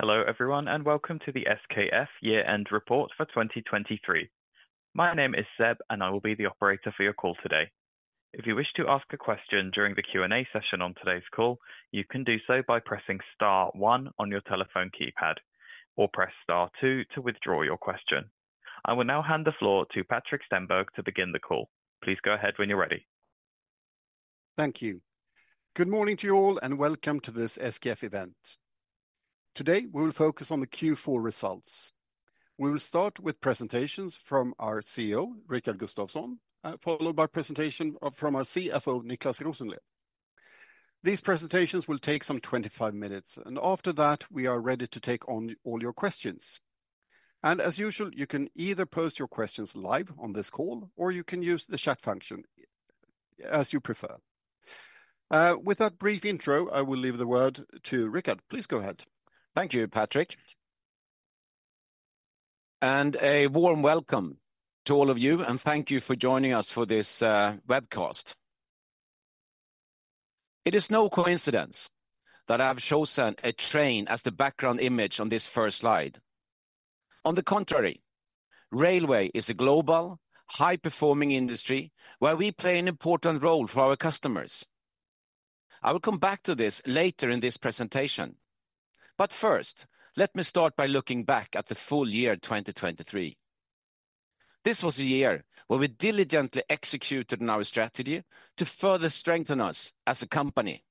Hello, everyone, and welcome to the SKF Year-End Report for 2023. My name is Seb, and I will be the operator for your call today. If you wish to ask a question during the Q&A session on today's call, you can do so by pressing star one on your telephone keypad, or press star two to withdraw your question. I will now hand the floor to Patrik Stenberg to begin the call. Please go ahead when you're ready. Thank you. Good morning to you all, and welcome to this SKF event. Today, we will focus on the Q4 results. We will start with presentations from our CEO, Rickard Gustafson, followed by presentation from our CFO, Niclas Rosenlew. These presentations will take some 25 minutes, and after that, we are ready to take on all your questions. As usual, you can either post your questions live on this call, or you can use the chat function as you prefer. With that brief intro, I will leave the word to Rickard. Please go ahead. Thank you, Patrik. A warm welcome to all of you, and thank you for joining us for this webcast. It is no coincidence that I have chosen a train as the background image on this first slide. On the contrary, railway is a global, high-performing industry, where we play an important role for our customers. I will come back to this later in this presentation. But first, let me start by looking back at the full year 2023. This was a year where we diligently executed on our strategy to further strengthen us as a company.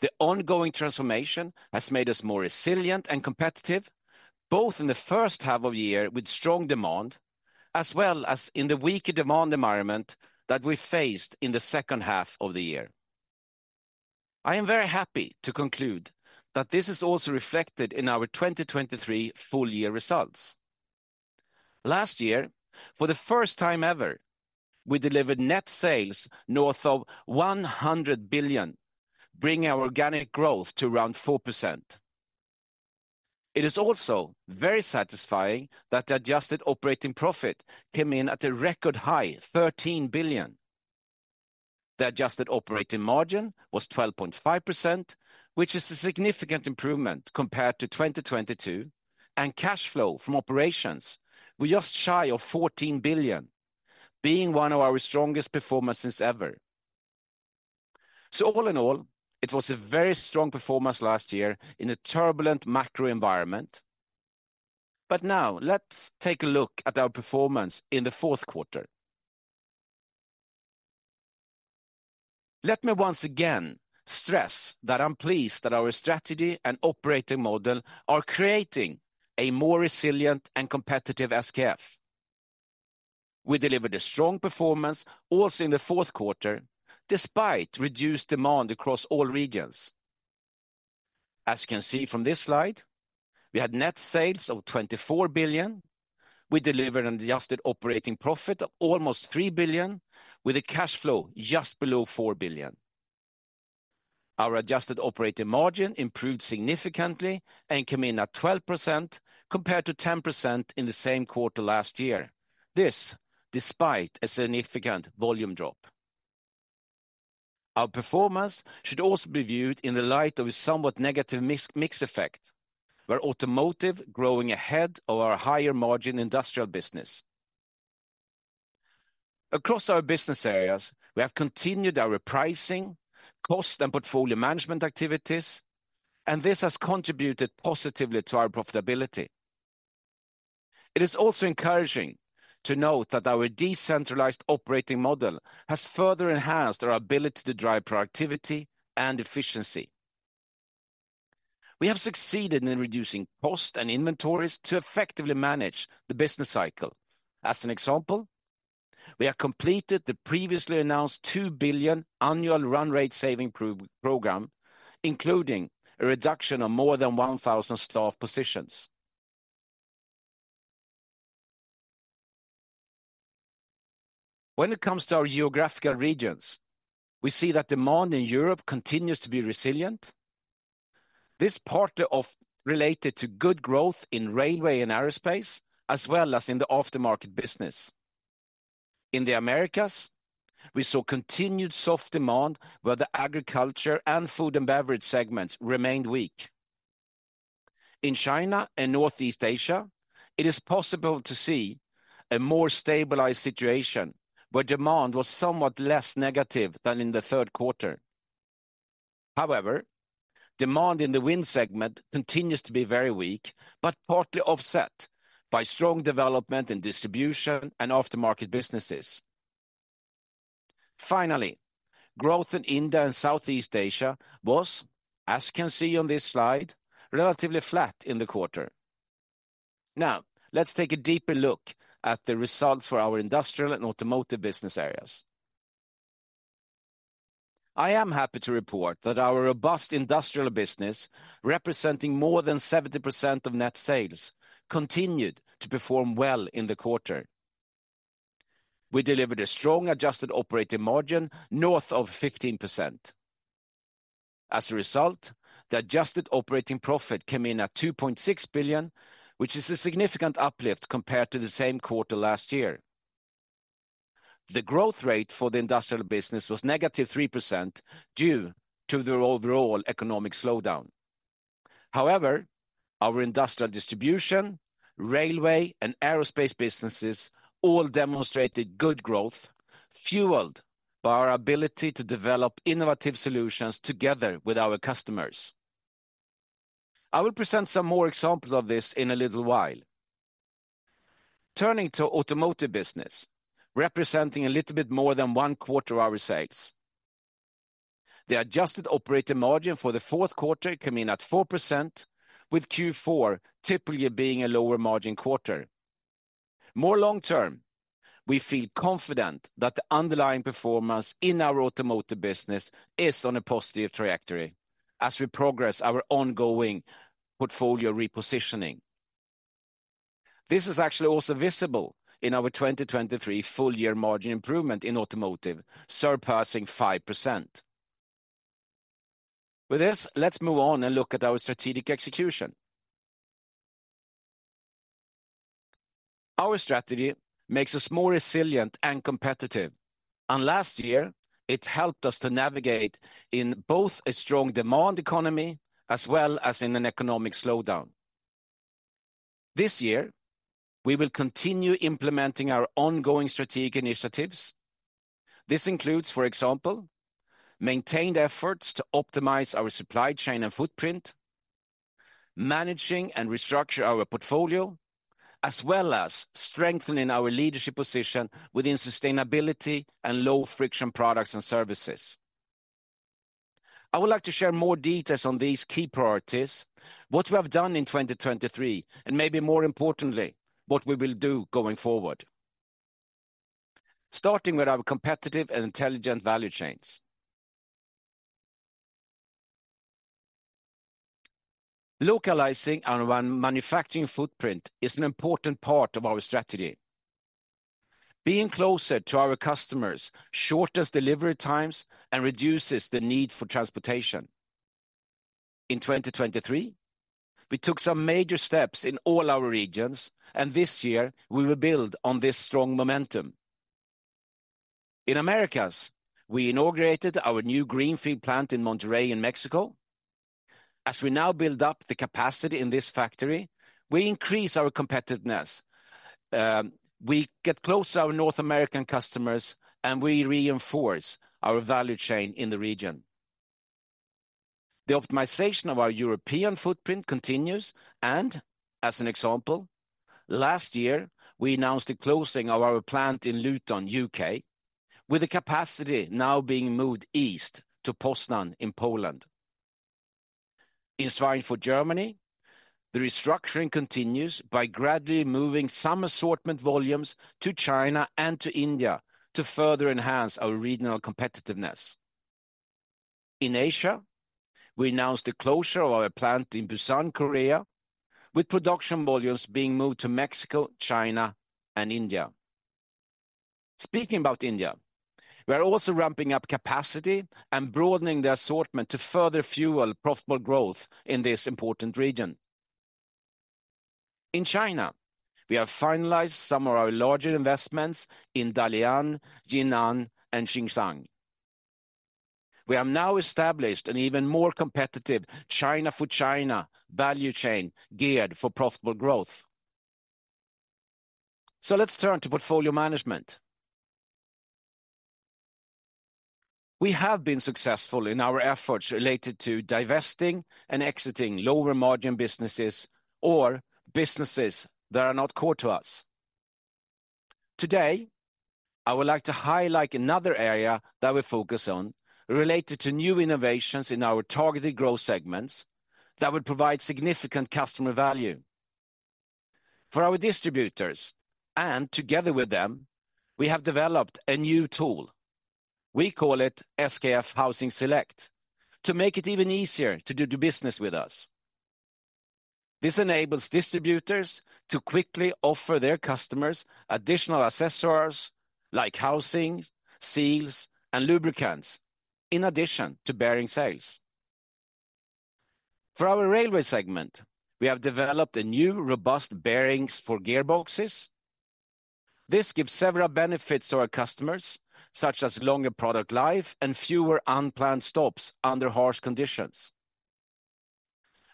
The ongoing transformation has made us more resilient and competitive, both in the first half of the year with strong demand, as well as in the weaker demand environment that we faced in the second half of the year. I am very happy to conclude that this is also reflected in our 2023 full year results. Last year, for the first time ever, we delivered net sales north of 100 billion, bringing our organic growth to around 4%. It is also very satisfying that the adjusted operating profit came in at a record high 13 billion. The adjusted operating margin was 12.5%, which is a significant improvement compared to 2022, and cash flow from operations were just shy of 14 billion, being one of our strongest performances ever. So all in all, it was a very strong performance last year in a turbulent macro environment. But now let's take a look at our performance in the fourth quarter. Let me once again stress that I'm pleased that our strategy and operating model are creating a more resilient and competitive SKF. We delivered a strong performance also in the fourth quarter, despite reduced demand across all regions. As you can see from this slide, we had net sales of 24 billion. We delivered an adjusted operating profit of almost 3 billion, with a cash flow just below 4 billion. Our adjusted operating margin improved significantly and came in at 12%, compared to 10% in the same quarter last year. This, despite a significant volume drop. Our performance should also be viewed in the light of a somewhat negative mix effect, where automotive growing ahead of our higher-margin industrial business. Across our business areas, we have continued our repricing, cost, and portfolio management activities, and this has contributed positively to our profitability. It is also encouraging to note that our decentralized operating model has further enhanced our ability to drive productivity and efficiency. We have succeeded in reducing cost and inventories to effectively manage the business cycle. As an example, we have completed the previously announced 2 billion annual run rate savings program, including a reduction of more than 1,000 staff positions. When it comes to our geographical regions, we see that demand in Europe continues to be resilient. This is partly related to good growth in railway and aerospace, as well as in the aftermarket business. In the Americas, we saw continued soft demand, where the agriculture and food and beverage segments remained weak. In China and Northeast Asia, it is possible to see a more stabilized situation, where demand was somewhat less negative than in the third quarter. However, demand in the wind segment continues to be very weak, but partly offset by strong development in distribution and aftermarket businesses. Finally, growth in India and Southeast Asia was, as you can see on this slide, relatively flat in the quarter. Now, let's take a deeper look at the results for our industrial and automotive business areas. I am happy to report that our robust industrial business, representing more than 70% of net sales, continued to perform well in the quarter. We delivered a strong adjusted operating margin north of 15%. As a result, the adjusted operating profit came in at 2.6 billion, which is a significant uplift compared to the same quarter last year. The growth rate for the industrial business was -3% due to the overall economic slowdown. However, our industrial distribution, railway, and aerospace businesses all demonstrated good growth, fueled by our ability to develop innovative solutions together with our customers. I will present some more examples of this in a little while. Turning to automotive business, representing a little bit more than one quarter of our sales. The adjusted operating margin for the fourth quarter came in at 4%, with Q4 typically being a lower margin quarter. More long-term, we feel confident that the underlying performance in our automotive business is on a positive trajectory as we progress our ongoing portfolio repositioning. This is actually also visible in our 2023 full-year margin improvement in automotive, surpassing 5%. With this, let's move on and look at our strategic execution. Our strategy makes us more resilient and competitive, and last year it helped us to navigate in both a strong demand economy as well as in an economic slowdown. This year, we will continue implementing our ongoing strategic initiatives. This includes, for example, maintained efforts to optimize our supply chain and footprint, managing and restructuring our portfolio, as well as strengthening our leadership position within sustainability and low-friction products and services. I would like to share more details on these key priorities, what we have done in 2023, and maybe more importantly, what we will do going forward. Starting with our competitive and intelligent value chains. Localizing our manufacturing footprint is an important part of our strategy. Being closer to our customers shortens delivery times and reduces the need for transportation. In 2023, we took some major steps in all our regions, and this year we will build on this strong momentum. In Americas, we inaugurated our new greenfield plant in Monterrey in Mexico. As we now build up the capacity in this factory, we increase our competitiveness, we get close to our North American customers, and we reinforce our value chain in the region. The optimization of our European footprint continues, and as an example, last year we announced the closing of our plant in Luton, UK, with the capacity now being moved east to Poznań in Poland. In Schweinfurt, Germany, the restructuring continues by gradually moving some assortment volumes to China and to India to further enhance our regional competitiveness. In Asia, we announced the closure of our plant in Busan, Korea, with production volumes being moved to Mexico, China, and India. Speaking about India, we are also ramping up capacity and broadening the assortment to further fuel profitable growth in this important region. In China, we have finalized some of our larger investments in Dalian, Jinan, and Xinchang. We have now established an even more competitive China for China value chain geared for profitable growth. So let's turn to portfolio management. We have been successful in our efforts related to divesting and exiting lower-margin businesses or businesses that are not core to us. Today, I would like to highlight another area that we focus on related to new innovations in our targeted growth segments that would provide significant customer value. For our distributors, and together with them, we have developed a new tool. We call it SKF Housing Select, to make it even easier to do the business with us. This enables distributors to quickly offer their customers additional accessories like housings, seals, and lubricants, in addition to bearing sales. For our railway segment, we have developed a new robust bearings for gearboxes. This gives several benefits to our customers, such as longer product life and fewer unplanned stops under harsh conditions.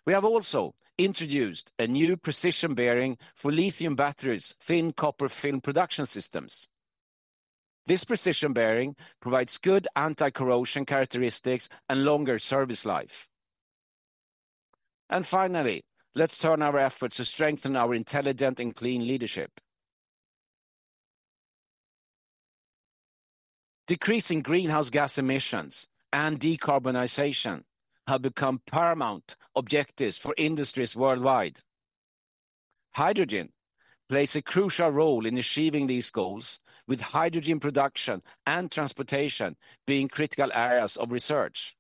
We have also introduced a new precision bearing for lithium batteries, thin copper film production systems. This precision bearing provides good anti-corrosion characteristics and longer service life. Finally, let's turn our efforts to strengthen our intelligent and clean leadership. Decreasing greenhouse gas emissions and decarbonization have become paramount objectives for industries worldwide. Hydrogen plays a crucial role in achieving these goals, with hydrogen production and transportation being critical areas of research.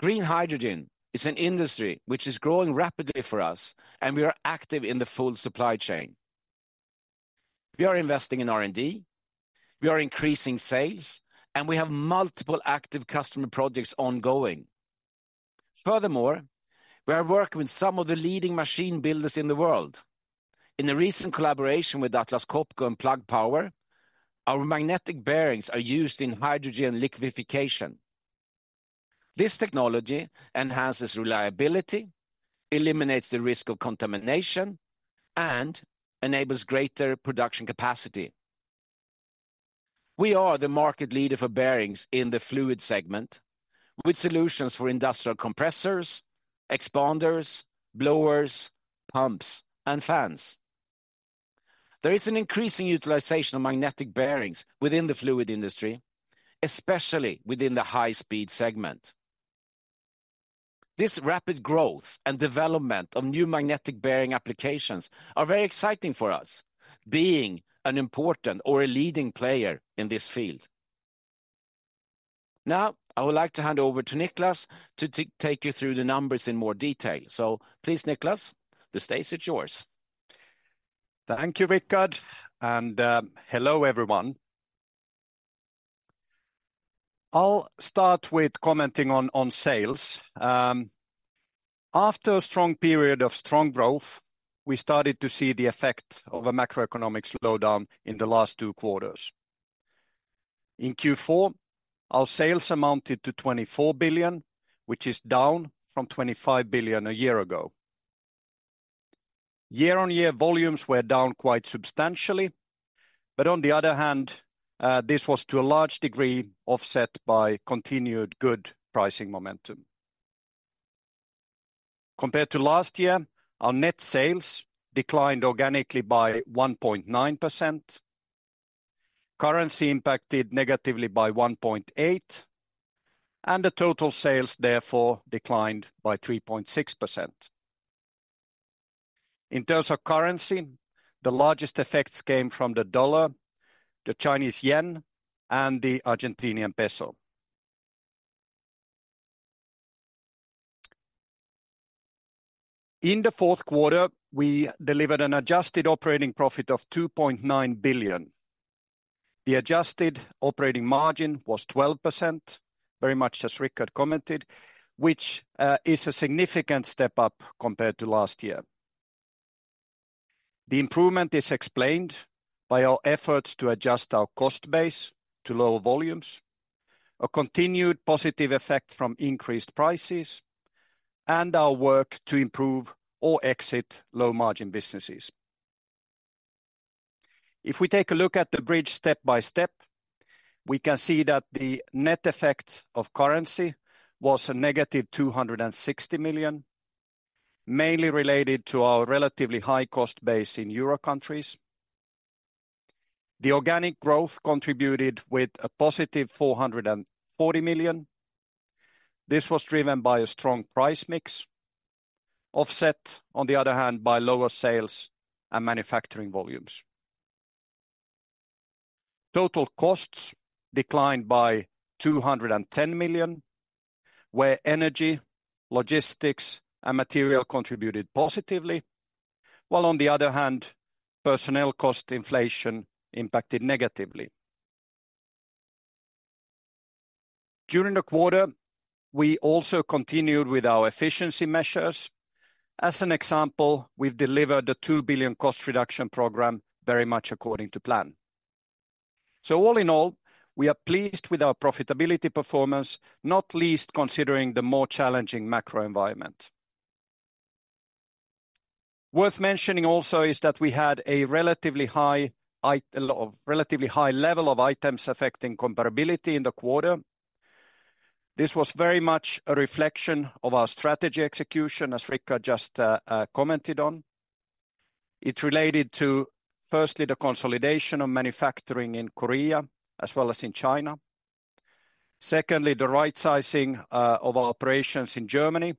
Green hydrogen is an industry which is growing rapidly for us, and we are active in the full supply chain. We are investing in R&D, we are increasing sales, and we have multiple active customer projects ongoing. Furthermore, we are working with some of the leading machine builders in the world. In a recent collaboration with Atlas Copco and Plug Power, our magnetic bearings are used in hydrogen liquefaction. This technology enhances reliability, eliminates the risk of contamination, and enables greater production capacity. We are the market leader for bearings in the fluid segment, with solutions for industrial compressors, expanders, blowers, pumps, and fans. There is an increasing utilization of magnetic bearings within the fluid industry, especially within the high-speed segment. This rapid growth and development of new magnetic bearing applications are very exciting for us, being an important or a leading player in this field. Now, I would like to hand over to Niclas to take you through the numbers in more detail. So please, Niclas, the stage is yours. Thank you, Rickard, and hello, everyone. I'll start with commenting on sales. After a strong period of strong growth, we started to see the effect of a macroeconomic slowdown in the last two quarters. In Q4, our sales amounted to 24 billion, which is down from 25 billion a year ago. Year-on-year volumes were down quite substantially, but on the other hand, this was to a large degree offset by continued good pricing momentum. Compared to last year, our net sales declined organically by 1.9%, currency impacted negatively by 1.8%, and the total sales therefore declined by 3.6%. In terms of currency, the largest effects came from the dollar, the Chinese yuan, and the Argentine peso. In the fourth quarter, we delivered an adjusted operating profit of 2.9 billion. The adjusted operating margin was 12%, very much as Rickard commented, which is a significant step up compared to last year. The improvement is explained by our efforts to adjust our cost base to lower volumes, a continued positive effect from increased prices, and our work to improve or exit low-margin businesses. If we take a look at the bridge step by step, we can see that the net effect of currency was a negative 260 million, mainly related to our relatively high cost base in Euro countries. The organic growth contributed with a positive 440 million. This was driven by a strong price mix, offset, on the other hand, by lower sales and manufacturing volumes. Total costs declined by 210 million, where energy, logistics, and material contributed positively, while on the other hand, personnel cost inflation impacted negatively. During the quarter, we also continued with our efficiency measures. As an example, we've delivered the 2 billion cost reduction program very much according to plan. So all in all, we are pleased with our profitability performance, not least considering the more challenging macro environment. Worth mentioning also is that we had a relatively high, a relatively high level of items affecting comparability in the quarter. This was very much a reflection of our strategy execution, as Rickard just commented on. It related to, firstly, the consolidation of manufacturing in Korea as well as in China. Secondly, the right sizing of our operations in Germany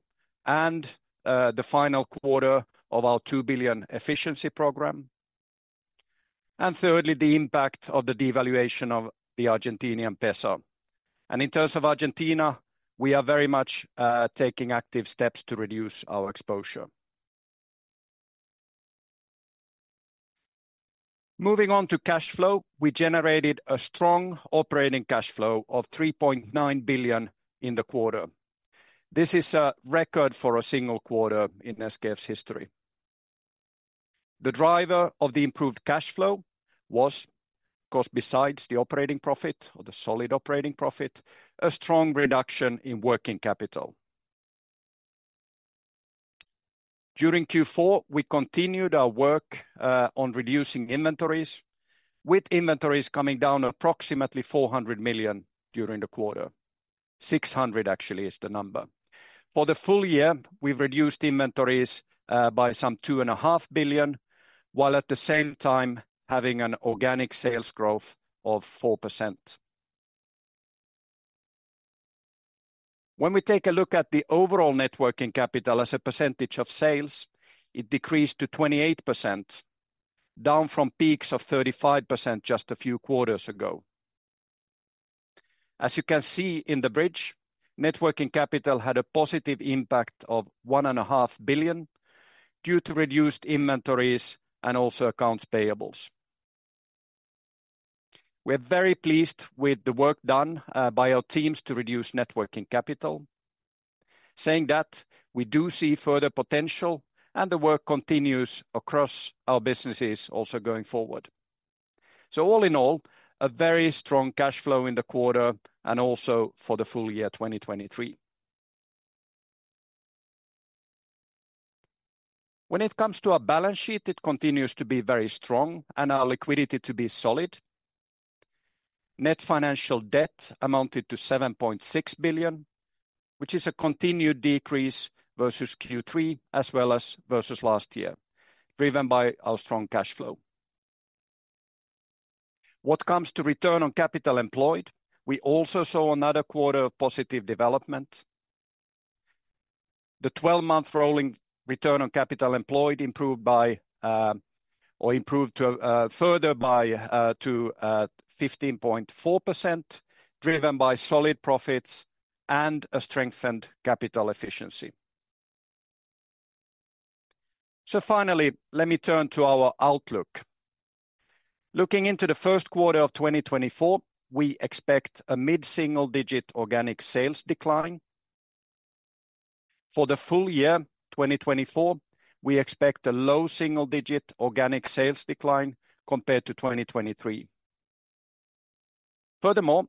and the final quarter of our 2 billion efficiency program. And thirdly, the impact of the devaluation of the Argentine peso. In terms of Argentina, we are very much taking active steps to reduce our exposure. Moving on to cash flow, we generated a strong operating cash flow of 3.9 billion in the quarter. This is a record for a single quarter in SKF's history. The driver of the improved cash flow was, of course, besides the operating profit or the solid operating profit, a strong reduction in working capital. During Q4, we continued our work on reducing inventories, with inventories coming down approximately 400 million during the quarter. 600 million actually is the number. For the full year, we've reduced inventories by some 2.5 billion, while at the same time having an organic sales growth of 4%. When we take a look at the overall net working capital as a percentage of sales, it decreased to 28%, down from peaks of 35% just a few quarters ago. As you can see in the bridge, net working capital had a positive impact of 1.5 billion due to reduced inventories and also accounts payables. We're very pleased with the work done by our teams to reduce net working capital. Saying that, we do see further potential, and the work continues across our businesses also going forward. So all in all, a very strong cash flow in the quarter, and also for the full year 2023. When it comes to our balance sheet, it continues to be very strong and our liquidity to be solid. Net financial debt amounted to 7.6 billion, which is a continued decrease versus Q3, as well as versus last year, driven by our strong cash flow. What comes to return on capital employed, we also saw another quarter of positive development. The twelve-month rolling return on capital employed improved to 15.4%, driven by solid profits and a strengthened capital efficiency. Finally, let me turn to our outlook. Looking into the first quarter of 2024, we expect a mid-single-digit organic sales decline. For the full year, 2024, we expect a low single-digit organic sales decline compared to 2023. Furthermore,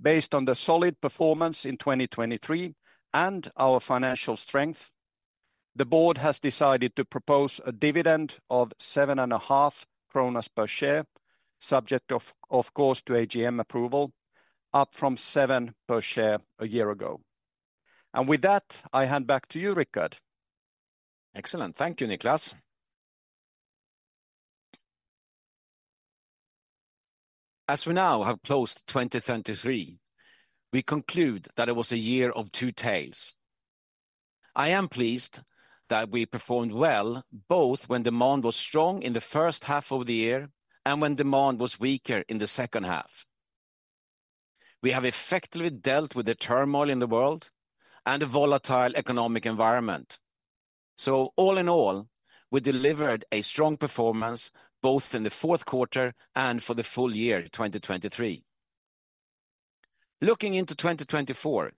based on the solid performance in 2023 and our financial strength, the board has decided to propose a dividend of 7.5 kronor per share, subject, of course, to AGM approval, up from 7 SEK per share a year ago. And with that, I hand back to you, Rickard. Excellent. Thank you, Niclas. As we now have closed 2023, we conclude that it was a year of two tails. I am pleased that we performed well, both when demand was strong in the first half of the year and when demand was weaker in the second half. We have effectively dealt with the turmoil in the world and a volatile economic environment. So all in all, we delivered a strong performance, both in the fourth quarter and for the full year 2023. Looking into 2024,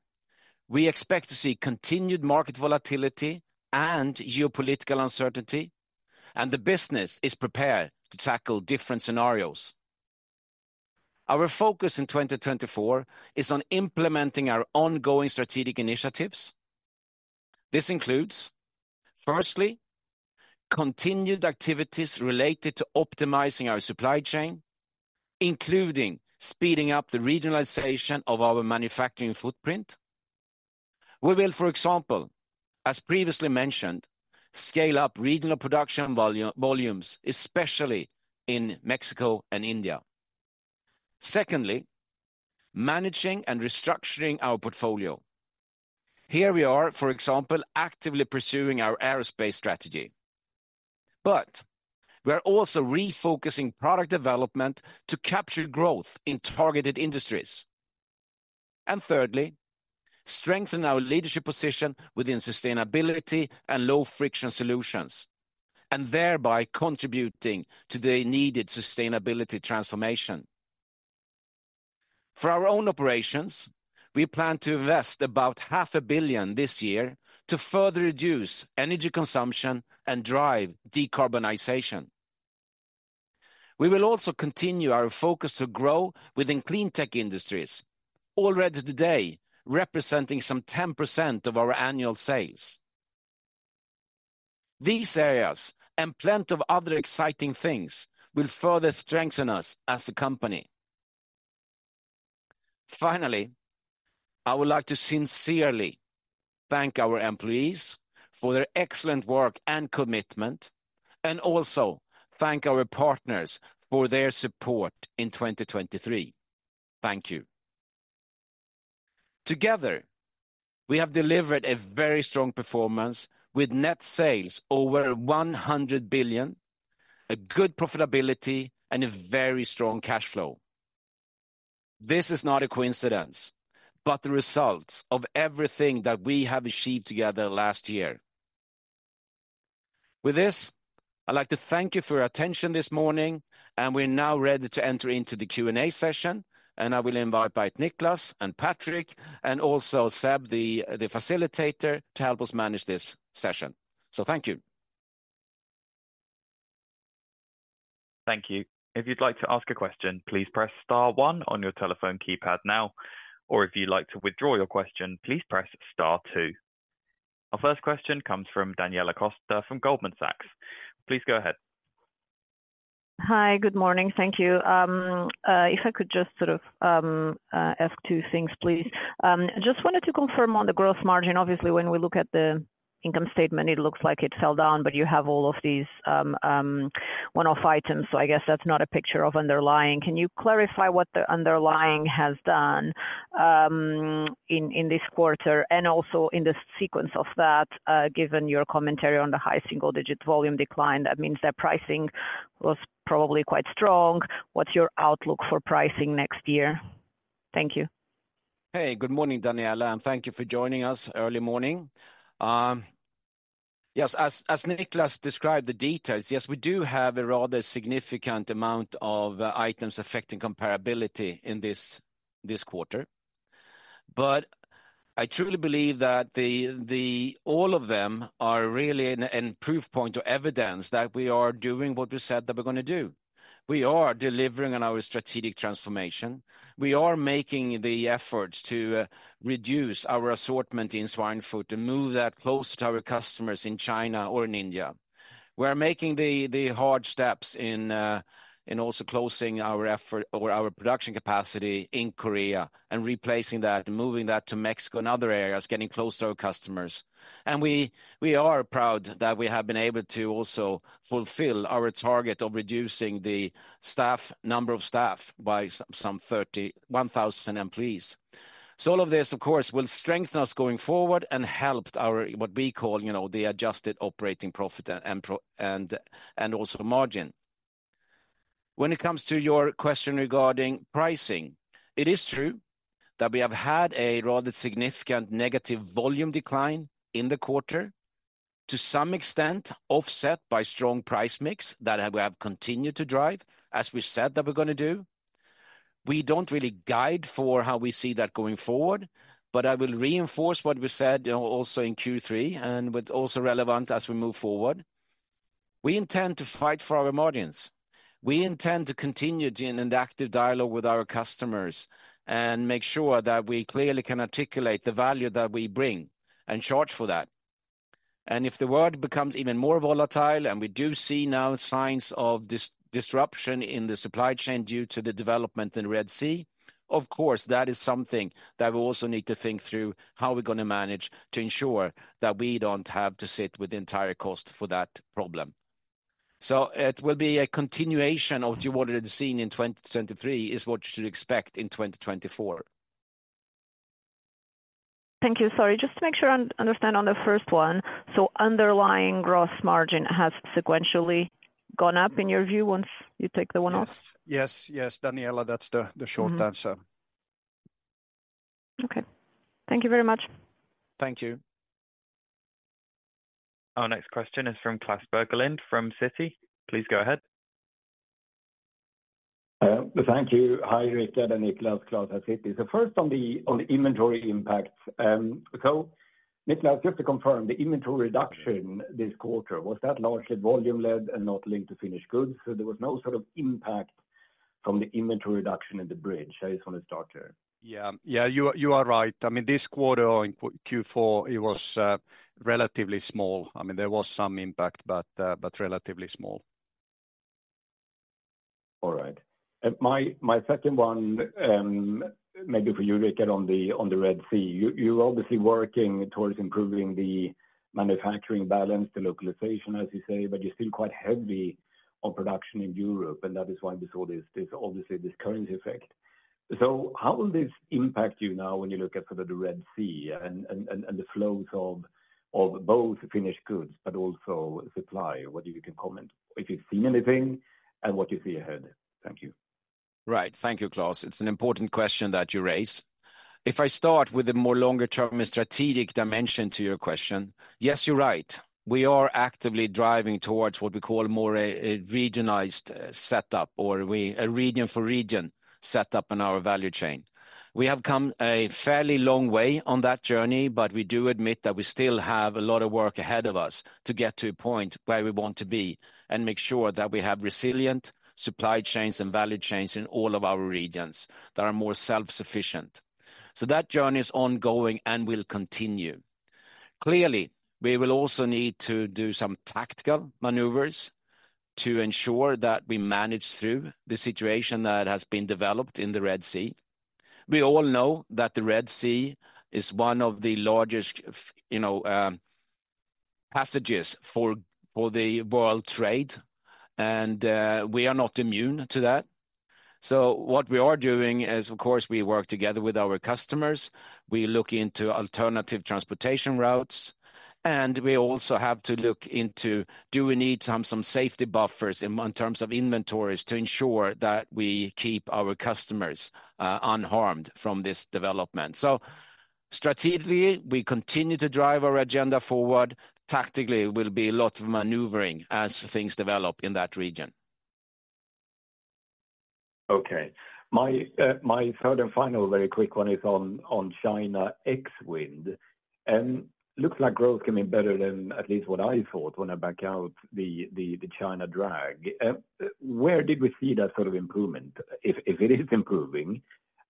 we expect to see continued market volatility and geopolitical uncertainty, and the business is prepared to tackle different scenarios. Our focus in 2024 is on implementing our ongoing strategic initiatives. This includes, firstly, continued activities related to optimizing our supply chain, including speeding up the regionalization of our manufacturing footprint. We will, for example, as previously mentioned, scale up regional production volumes, especially in Mexico and India. Secondly, managing and restructuring our portfolio. Here we are, for example, actively pursuing our aerospace strategy, but we are also refocusing product development to capture growth in targeted industries. And thirdly, strengthen our leadership position within sustainability and low-friction solutions, and thereby contributing to the needed sustainability transformation. For our own operations, we plan to invest about 500 million this year to further reduce energy consumption and drive decarbonization. We will also continue our focus to grow within clean tech industries, already today, representing some 10% of our annual sales. These areas and plenty of other exciting things will further strengthen us as a company. Finally, I would like to sincerely thank our employees for their excellent work and commitment, and also thank our partners for their support in 2023. Thank you. Together, we have delivered a very strong performance with net sales over 100 billion, a good profitability, and a very strong cash flow. This is not a coincidence, but the result of everything that we have achieved together last year. With this, I'd like to thank you for your attention this morning, and we're now ready to enter into the Q&A session, and I will invite both Niclas and Patrik, and also Seb, the facilitator, to help us manage this session. So thank you. Thank you. If you'd like to ask a question, please press star one on your telephone keypad now, or if you'd like to withdraw your question, please press star two. Our first question comes from Daniela Costa from Goldman Sachs. Please go ahead. Hi, good morning. Thank you. If I could just sort of ask two things, please. Just wanted to confirm on the gross margin. Obviously, when we look at the income statement, it looks like it fell down, but you have all of these one-off items, so I guess that's not a picture of underlying. Can you clarify what the underlying has done in this quarter? And also in the sequence of that, given your commentary on the high single-digit volume decline, that means that pricing was probably quite strong. What's your outlook for pricing next year? Thank you. Hey, good morning, Daniela, and thank you for joining us early morning. Yes, as Niclas described the details, yes, we do have a rather significant amount of items affecting comparability in this quarter. But I truly believe that all of them are really a proof point or evidence that we are doing what we said that we're gonna do. We are delivering on our strategic transformation. We are making the efforts to reduce our assortment in Schweinfurt, to move that closer to our customers in China or in India. We are making the hard steps in also closing our effort or our production capacity in Korea, and replacing that and moving that to Mexico and other areas, getting close to our customers. We are proud that we have been able to also fulfill our target of reducing the staff, number of staff by some 31,000 employees. So all of this, of course, will strengthen us going forward and helped our, what we call, you know, the adjusted operating profit and also margin. When it comes to your question regarding pricing, it is true that we have had a rather significant negative volume decline in the quarter, to some extent offset by strong price mix that we have continued to drive, as we said that we're gonna do. We don't really guide for how we see that going forward, but I will reinforce what we said also in Q3, and what's also relevant as we move forward. We intend to fight for our margins. We intend to continue to in an active dialogue with our customers and make sure that we clearly can articulate the value that we bring, and charge for that. And if the world becomes even more volatile, and we do see now signs of disruption in the supply chain due to the development in Red Sea, of course, that is something that we also need to think through, how we're gonna manage to ensure that we don't have to sit with the entire cost for that problem. So it will be a continuation of what you've already seen in 2023, is what you should expect in 2024. Thank you. Sorry, just to make sure I understand on the first one? So underlying gross margin has sequentially gone up, in your view, once you take the one off? Yes. Yes, yes, Daniela, that's the short answer. Mm-hmm. Okay. Thank you very much. Thank you. Our next question is from Klas Bergelind, from Citi. Please go ahead. Thank you. Hi, Rick and Niclas. Klas at Citi. So first on the inventory impact. So, Niclas, just to confirm, the inventory reduction this quarter, was that largely volume-led and not linked to finished goods? So there was no sort of impact from the inventory reduction in the bridge? I just want to start here. Yeah, yeah, you are right. I mean, this quarter in Q4, it was relatively small. I mean, there was some impact, but relatively small. All right. My second one, maybe for you, Rick, on the Red Sea. You're obviously working towards improving the manufacturing balance, the localization, as you say, but you're still quite heavy on production in Europe, and that is why we saw this obviously, this currency effect. So how will this impact you now when you look at sort of the Red Sea and the flows of both finished goods, but also supply? Whether you can comment if you've seen anything and what you see ahead. Thank you. Right. Thank you, Klas. It's an important question that you raise. If I start with a more longer-term strategic dimension to your question, yes, you're right. We are actively driving towards what we call more a regionalized setup, or a region-for-region setup in our value chain. We have come a fairly long way on that journey, but we do admit that we still have a lot of work ahead of us to get to a point where we want to be, and make sure that we have resilient supply chains and value chains in all of our regions that are more self-sufficient. So that journey is ongoing and will continue. Clearly, we will also need to do some tactical maneuvers to ensure that we manage through the situation that has been developed in the Red Sea. We all know that the Red Sea is one of the largest, you know, passages for the world trade, and we are not immune to that. So what we are doing is, of course, we work together with our customers. We look into alternative transportation routes, and we also have to look into, do we need some safety buffers in terms of inventories, to ensure that we keep our customers unharmed from this development? So strategically, we continue to drive our agenda forward. Tactically, it will be a lot of maneuvering as things develop in that region. Okay. My, my third and final very quick one is on, on China ex wind. Looks like growth can be better than at least what I thought when I back out the China drag. Where did we see that sort of improvement, if, if it is improving?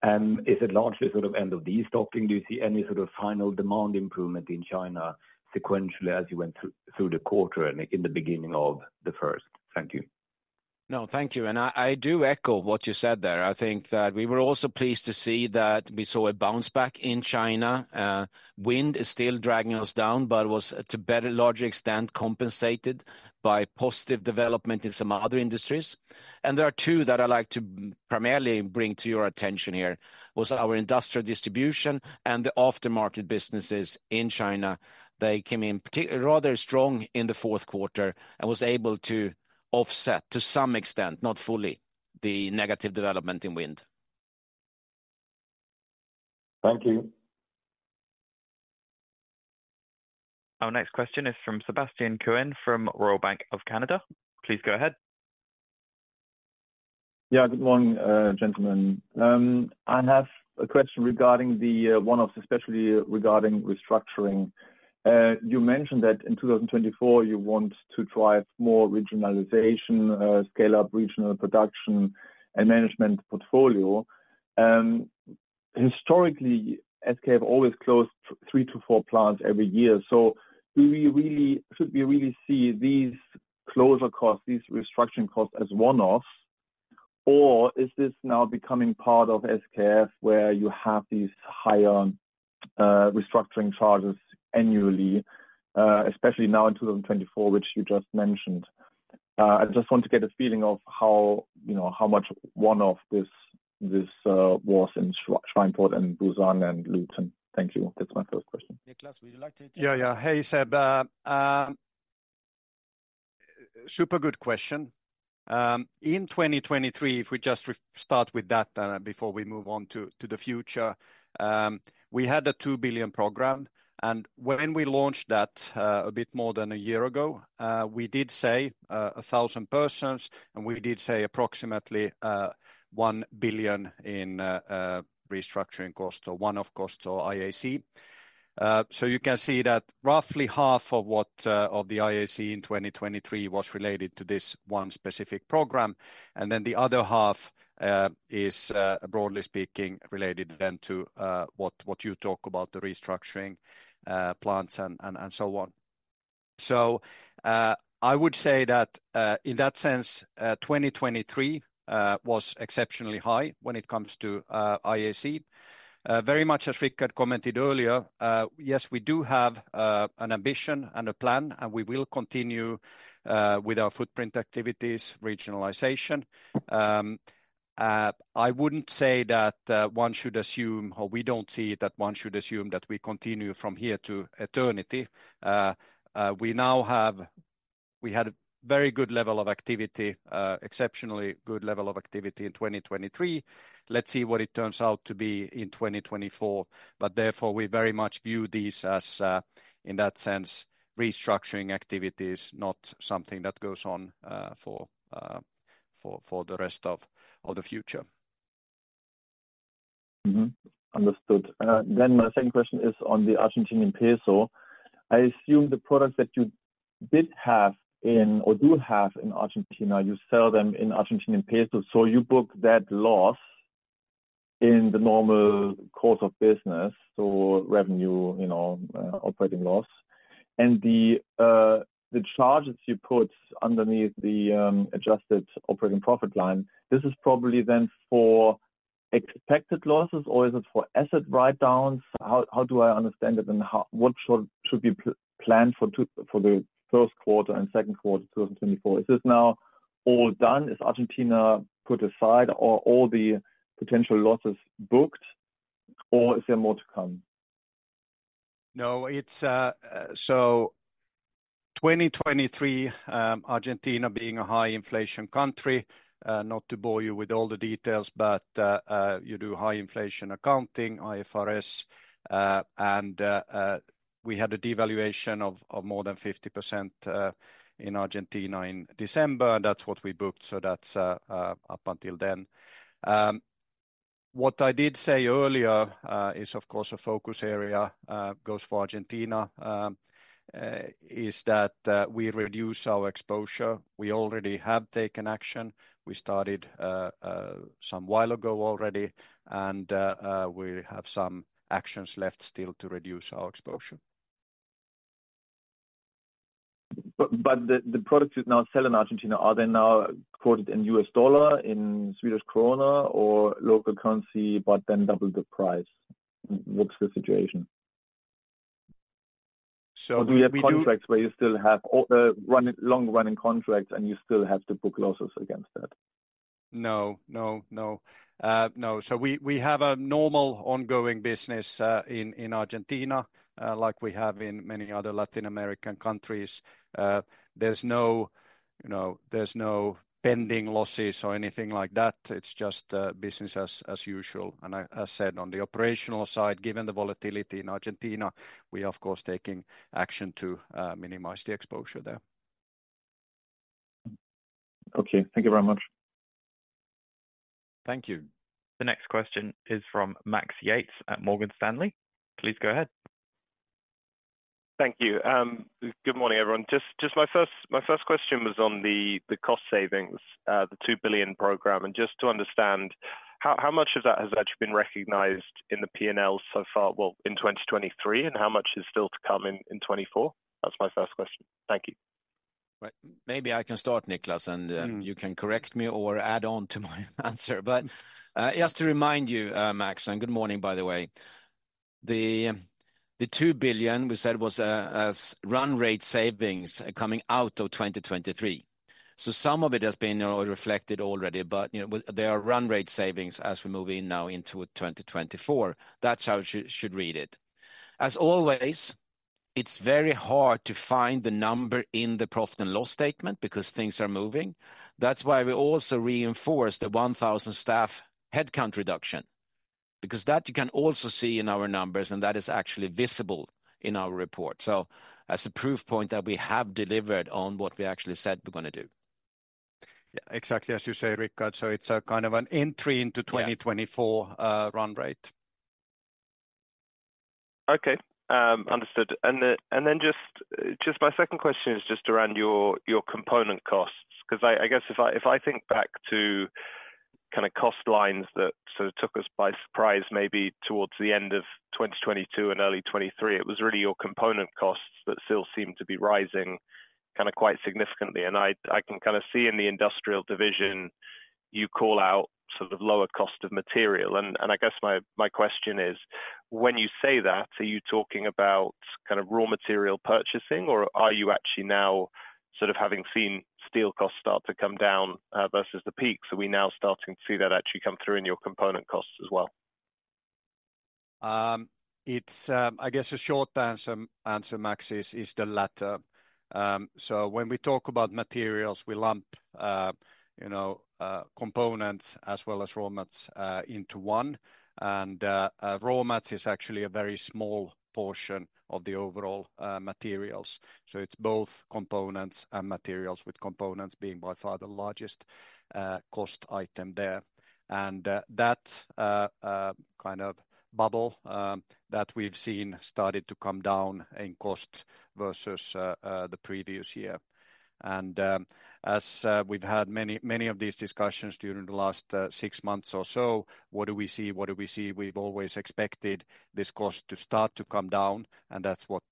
Is it largely sort of end of the destocking? Do you see any sort of final demand improvement in China sequentially as you went through, through the quarter and in the beginning of the first? Thank you. No, thank you. I do echo what you said there. I think that we were also pleased to see that we saw a bounce back in China. Wind is still dragging us down, but it was to better larger extent compensated by positive development in some other industries. There are two that I'd like to primarily bring to your attention here: our industrial distribution and the aftermarket businesses in China. They came in rather strong in the fourth quarter and was able to offset, to some extent, not fully, the negative development in wind. Thank you. Our next question is from Sebastian Kuenne from Royal Bank of Canada. Please go ahead. Yeah. Good morning, gentlemen. I have a question regarding the one of especially regarding restructuring. You mentioned that in 2024, you want to drive more regionalization, scale up regional production and management portfolio. Historically, SKF always closed 3-4 plants every year. So do we really - should we really see these closure costs, these restructuring costs as one-off? Or is this now becoming part of SKF, where you have these higher restructuring charges annually, especially now in 2024, which you just mentioned? I just want to get a feeling of how, you know, how much one-off this, this was in Schweinfurt and Busan and Luton. Thank you. That's my first question. Niclas, would you like to? Yeah, yeah. Hey, Seb, super good question. In 2023, if we just restart with that, before we move on to the future. We had a 2 billion program, and when we launched that, a bit more than a year ago, we did say 1,000 persons, and we did say approximately 1 billion in restructuring costs or one-off costs or IAC. So you can see that roughly half of the IAC in 2023 was related to this one specific program, and then the other half is broadly speaking related then to what you talk about, the restructuring, plants and so on. So, I would say that in that sense 2023 was exceptionally high when it comes to IAC. Very much as Rickard commented earlier, yes, we do have an ambition and a plan, and we will continue with our footprint activities, regionalization. I wouldn't say that one should assume or we don't see that one should assume that we continue from here to eternity. We had a very good level of activity, exceptionally good level of activity in 2023. Let's see what it turns out to be in 2024. But therefore, we very much view these as, in that sense, restructuring activities, not something that goes on for the rest of the future. Mm-hmm. Understood. Then my second question is on the Argentine peso. I assume the products that you did have in or do have in Argentina, you sell them in Argentine peso, so you book that loss in the normal course of business, so revenue, you know, operating loss. And the charges you put underneath the adjusted operating profit line, this is probably then for expected losses or is it for asset write-downs? How do I understand it, and what should be planned for the first quarter and second quarter of 2024? Is this now all done? Is Argentina put aside or all the potential losses booked, or is there more to come? No, it's... So 2023, Argentina being a high inflation country, not to bore you with all the details, but you do high inflation accounting, IFRS. And we had a devaluation of more than 50% in Argentina in December 2023, and that's what we booked. So that's up until then. What I did say earlier is of course a focus area that goes for Argentina is that we reduce our exposure. We already have taken action. We started some while ago already, and we have some actions left still to reduce our exposure. But the products you now sell in Argentina, are they now quoted in U.S. dollar, in Swedish krona or local currency, but then double the price? What's the situation? So we do- Or do you have contracts where you still have long-running contracts, and you still have to book losses against that? No, no, no. No. So we have a normal ongoing business in Argentina, like we have in many other Latin American countries. There's no, you know, there's no pending losses or anything like that. It's just business as usual. And I, as said, on the operational side, given the volatility in Argentina, we are of course taking action to minimize the exposure there. Okay. Thank you very much. Thank you. The next question is from Max Yates at Morgan Stanley. Please go ahead. Thank you. Good morning, everyone. Just my first question was on the cost savings, the 2 billion program. And just to understand, how much of that has actually been recognized in the P&L so far, well, in 2023, and how much is still to come in 2024? That's my first question. Thank you. Right. Maybe I can start, Niclas, and you can correct me or add on to my answer. But, just to remind you, Max, and good morning, by the way. The 2 billion we said was a run rate savings coming out of 2023. So some of it has been reflected already, but, you know, there are run rate savings as we move in now into 2024. That's how you should read it. As always, it's very hard to find the number in the profit and loss statement because things are moving. That's why we also reinforce the 1,000 staff headcount reduction, because that you can also see in our numbers, and that is actually visible in our report. So as a proof point that we have delivered on what we actually said we're going to do. Yeah, exactly as you say, Rickard. So it's a kind of an entry into 2024 run rate. Okay, understood. And then just my second question is just around your component costs, because I guess if I think back to kind of cost lines that sort of took us by surprise, maybe towards the end of 2022 and early 2023, it was really your component costs that still seem to be rising kind of quite significantly. And I can kind of see in the industrial division, you call out sort of lower cost of material. And I guess my question is, when you say that, are you talking about kind of raw material purchasing, or are you actually now sort of having seen steel costs start to come down versus the peak? So are we now starting to see that actually come through in your component costs as well? It's, I guess the short answer, Max, is the latter. So when we talk about materials, we lump you know components as well as raw mats into one. And raw mats is actually a very small portion of the overall materials. So it's both components and materials, with components being by far the largest cost item there. And that kind of bubble that we've seen started to come down in cost versus the previous year. And as we've had many, many of these discussions during the last six months or so, what do we see? What do we see? We've always expected this cost to start to come down, and that's what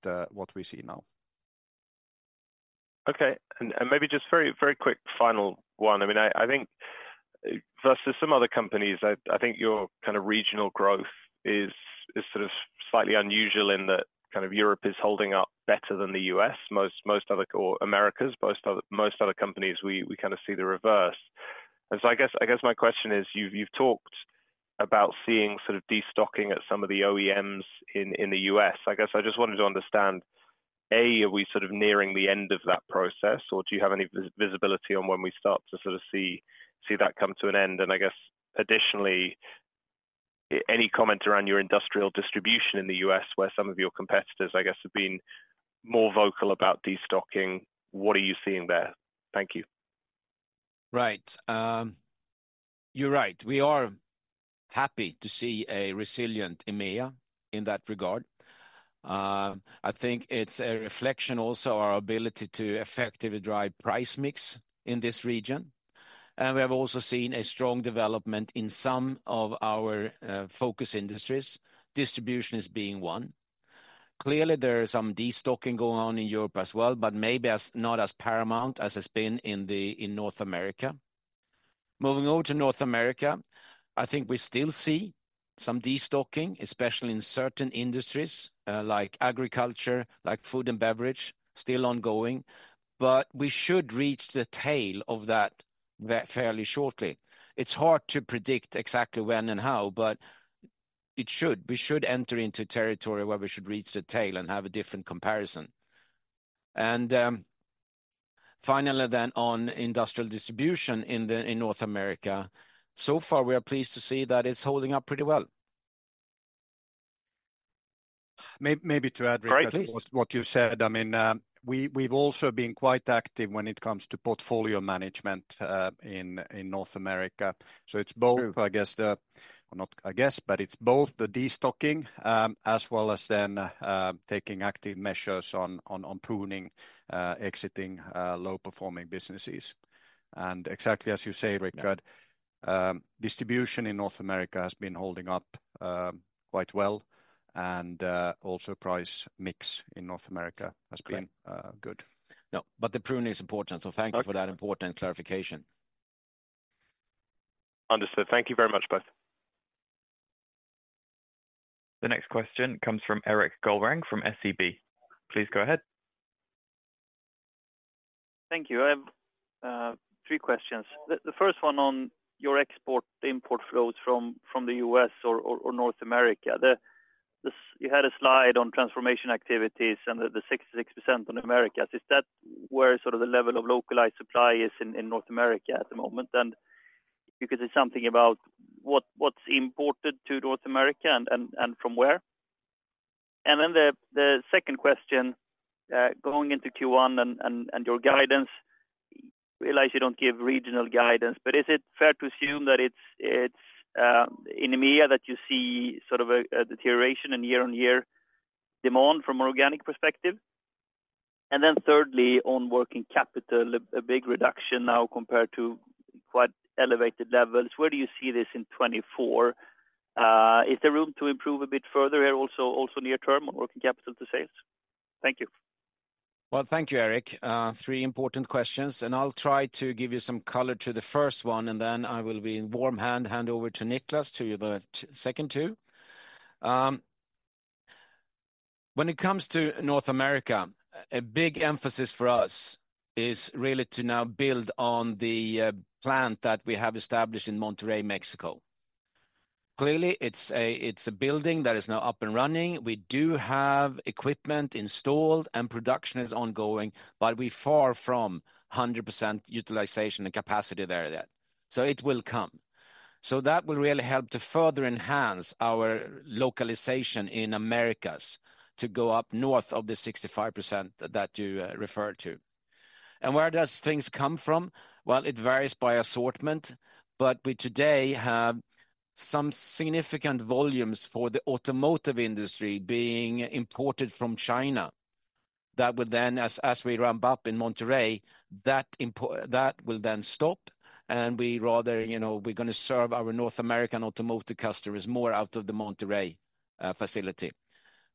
we see now. Okay. And maybe just very, very quick final one. I mean, I think versus some other companies, I think your kind of regional growth is sort of slightly unusual in that Europe is holding up better than the US. Most other companies, or Americas, we kind of see the reverse. And so I guess my question is, you've talked about seeing sort of destocking at some of the OEMs in the US. I guess I just wanted to understand, A, are we sort of nearing the end of that process, or do you have any visibility on when we start to sort of see that come to an end? I guess, additionally, any comment around your industrial distribution in the U.S., where some of your competitors, I guess, have been more vocal about destocking. What are you seeing there? Thank you. Right. You're right. We are happy to see a resilient EMEA in that regard. I think it's a reflection also our ability to effectively drive price mix in this region, and we have also seen a strong development in some of our focus industries. Distribution is being one. Clearly, there is some destocking going on in Europe as well, but maybe as not as paramount as it's been in North America. Moving over to North America, I think we still see some destocking, especially in certain industries, like agriculture, like food and beverage, still ongoing, but we should reach the tail of that fairly shortly. It's hard to predict exactly when and how, but it should. We should enter into territory where we should reach the tail and have a different comparison. Finally, then, on industrial distribution in North America, so far, we are pleased to see that it's holding up pretty well. Maybe to add, Rickard Great, please. What you said, I mean, we've also been quite active when it comes to portfolio management in North America. So it's both, not I guess, but it's both the destocking as well as then taking active measures on pruning, exiting low-performing businesses. And exactly as you say, Rickard, distribution in North America has been holding up quite well, and also price mix in North America has been good. No, but the prune is important, so thank you for that important clarification. Understood. Thank you very much, both. The next question comes from Erik Golrang, from SEB. Please go ahead. Thank you. I have three questions. The first one on your export, import flows from the US or North America. This, you had a slide on transformation activities and the 66% on Americas. Is that where sort of the level of localized supply is in North America at the moment? And you could say something about what's imported to North America and from where. And then the second question, going into Q1 and your guidance, realize you don't give regional guidance, but is it fair to assume that it's in EMEA, that you see sort of a deterioration in year-on-year demand from an organic perspective? And then thirdly, on working capital, a big reduction now compared to quite elevated levels. Where do you see this in 2024? Is there room to improve a bit further here, also, also near term on working capital to sales? Thank you. Well, thank you, Eric. Three important questions, and I'll try to give you some color to the first one, and then I will be in warm handover to Niclas, to you the second two. When it comes to North America, a big emphasis for us is really to now build on the plant that we have established in Monterrey, Mexico. Clearly, it's a building that is now up and running. We do have equipment installed, and production is ongoing, but we're far from 100% utilization and capacity there yet. So it will come. So that will really help to further enhance our localization in Americas to go up north of the 65% that you referred to. And where does things come from? Well, it varies by assortment, but we today have some significant volumes for the automotive industry being imported from China. That would then, as we ramp up in Monterrey, that will then stop, and we rather, you know, we're gonna serve our North American automotive customers more out of the Monterrey facility.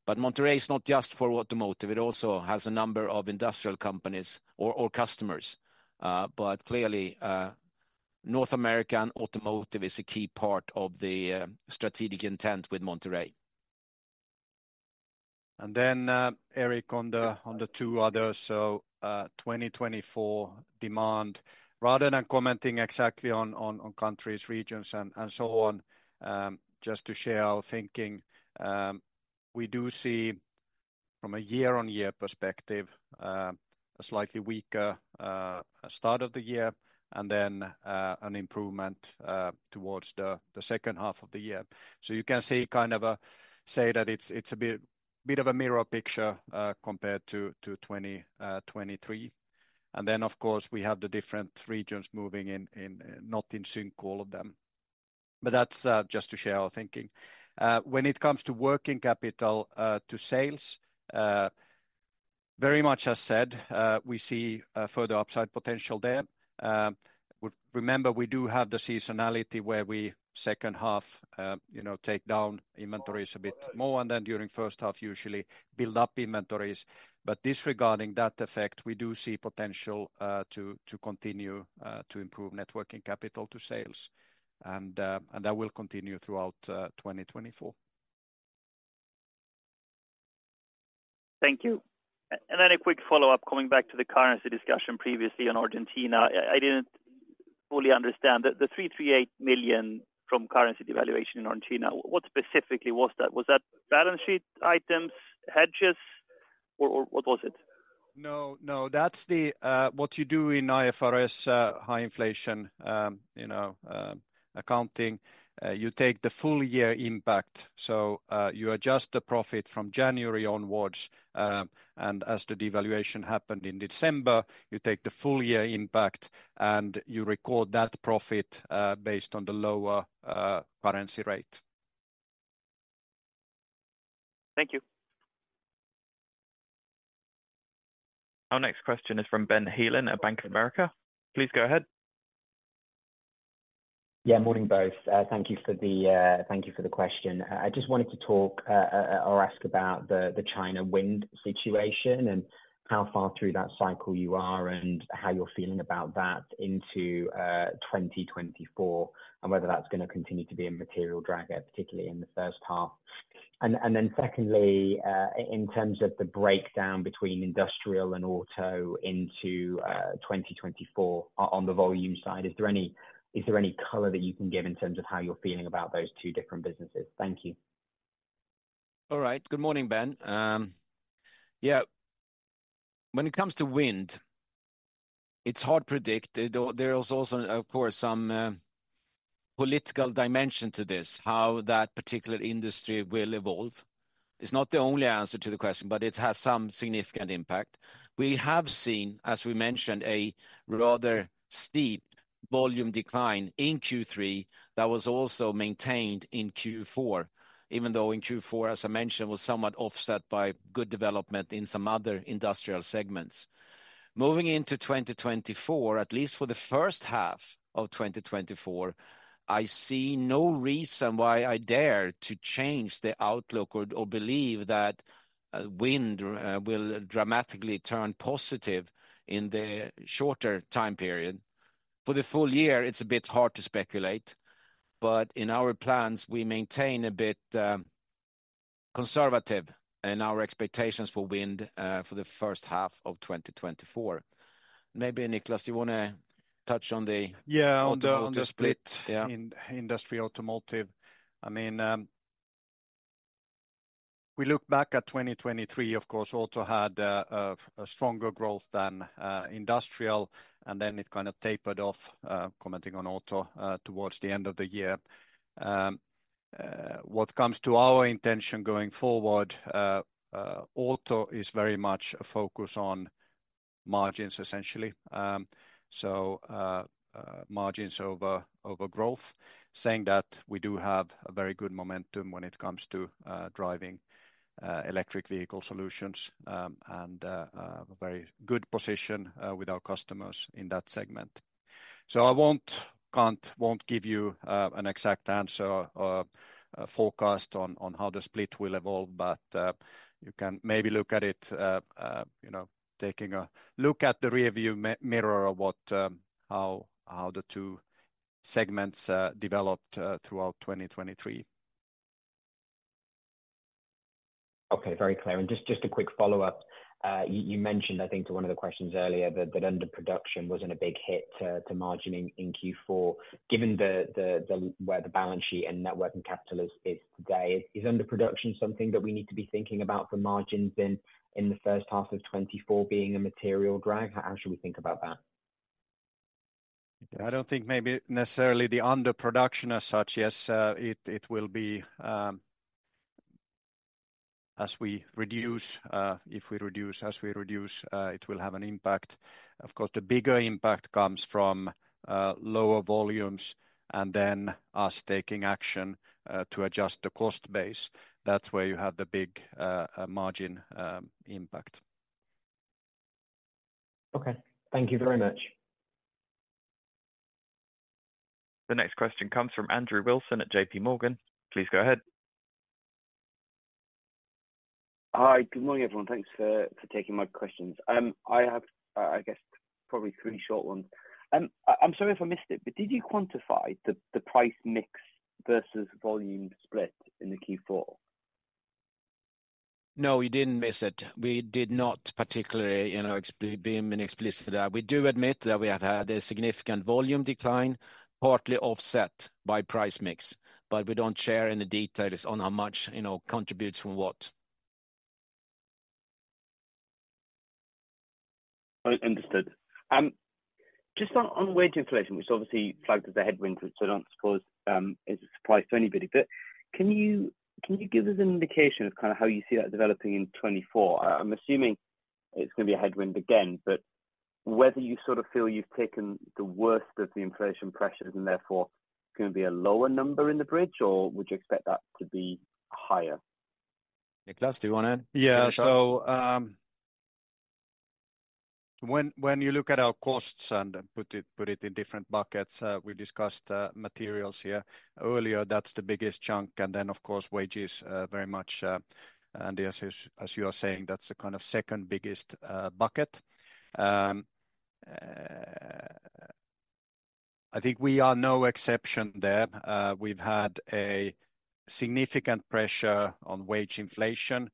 But Monterrey is not just for automotive, it also has a number of industrial companies or customers. But clearly, North American automotive is a key part of the strategic intent with Monterrey. Then, Eric, on the two others, so, 2024 demand. Rather than commenting exactly on countries, regions, and so on, just to share our thinking, we do see from a year-on-year perspective a slightly weaker start of the year, and then an improvement towards the second half of the year. So you can see kind of a mirror picture, say that it's a bit of a mirror picture compared to 2023. And then, of course, we have the different regions moving in not in sync, all of them. But that's just to share our thinking. When it comes to working capital to sales, very much as said, we see further upside potential there. Remember, we do have the seasonality, where we second half, you know, take down inventories a bit more, and then during first half, usually build up inventories. But disregarding that effect, we do see potential to continue to improve net working capital to sales, and that will continue throughout 2024. Thank you. And then a quick follow-up, coming back to the currency discussion previously on Argentina. I didn't fully understand. The 338 million from currency devaluation in Argentina, what specifically was that? Was that balance sheet items, hedges, or what was it? No, no, that's the uh, what you do in IFRS high inflation, you know, accounting, you take the full year impact. So, you adjust the profit from January onwards, and as the devaluation happened in December, you take the full year impact, and you record that profit based on the lower currency rate. Thank you. Our next question is from Ben Healan at Bank of America. Please go ahead. Yeah, morning, both. Thank you for the, thank you for the question. I just wanted to talk, or ask about the China wind situation, and how far through that cycle you are, and how you're feeling about that into 2024, and whether that's gonna continue to be a material dragger, particularly in the first half. And then secondly, in terms of the breakdown between industrial and auto into 2024 on the volume side, is there any color that you can give in terms of how you're feeling about those two different businesses? Thank you. All right. Good morning, Ben. Yeah, when it comes to wind, it's hard to predict. There is also, of course, some political dimension to this, how that particular industry will evolve. It's not the only answer to the question, but it has some significant impact. We have seen, as we mentioned, a rather steep volume decline in Q3 that was also maintained in Q4, even though in Q4, as I mentioned, was somewhat offset by good development in some other industrial segments. Moving into 2024, at least for the first half of 2024, I see no reason why I dare to change the outlook or believe that wind will dramatically turn positive in the shorter time period. For the full year, it's a bit hard to speculate, but in our plans, we maintain a bit conservative in our expectations for wind for the first half of 2024. Maybe Niclas, do you wanna touch on the- Yeah, on the-... automotive split? on the split. Yeah. In industry, automotive. I mean, we look back at 2023, of course, auto had a stronger growth than industrial, and then it kind of tapered off, commenting on auto, towards the end of the year. What comes to our attention going forward, auto is very much a focus on margins, essentially. So, margins over growth. Saying that, we do have a very good momentum when it comes to driving electric vehicle solutions, and a very good position with our customers in that segment. So I won't, can't, won't give you an exact answer or a forecast on how the split will evolve, but you can maybe look at it, you know, taking a look at the rearview mirror of what how the two segments developed throughout 2023. Okay, very clear. Just a quick follow-up. You mentioned, I think to one of the questions earlier, that underproduction wasn't a big hit to margins in Q4. Given where the balance sheet and net working capital is today, is underproduction something that we need to be thinking about for margins in the first half of 2024 being a material drag? How should we think about that? I don't think maybe necessarily the underproduction as such. Yes, it will be, as we reduce, if we reduce, as we reduce, it will have an impact. Of course, the bigger impact comes from lower volumes and then us taking action to adjust the cost base. That's where you have the big margin impact. Okay. Thank you very much. The next question comes from Andrew Wilson at JPMorgan. Please go ahead. Hi. Good morning, everyone. Thanks for taking my questions. I have, I guess, probably three short ones. I'm sorry if I missed it, but did you quantify the price mix versus volume split in the Q4? No, you didn't miss it. We did not particularly, you know, being explicit with that. We do admit that we have had a significant volume decline, partly offset by price mix, but we don't share any details on how much, you know, contributes from what. Oh, understood. Just on wage inflation, which obviously flagged as a headwind, so I don't suppose it's a surprise to anybody. But can you give us an indication of kind of how you see that developing in 2024? I'm assuming it's gonna be a headwind again, but whether you sort of feel you've taken the worst of the inflation pressures, and therefore, it's gonna be a lower number in the bridge, or would you expect that to be higher? Niclas, do you wanna add? Yeah. So, when you look at our costs and put it in different buckets, we discussed materials here earlier. That's the biggest chunk. And then, of course, wages very much, and as you are saying, that's the kind of second biggest bucket. I think we are no exception there. We've had a significant pressure on wage inflation